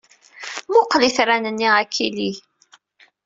Mmuqqel itran-nni a Kelly!